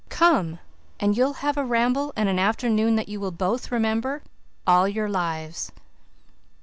Come, and you'll have a ramble and an afternoon that you will both remember all your lives."